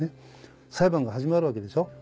裁判が始まるわけでしょ？